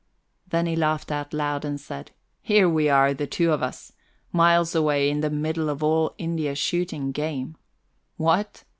Then he laughed out loud and said: "Here we are, the two of us, miles away in the middle of all India shooting game what?